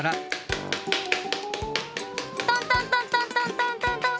トントントントントントントントン。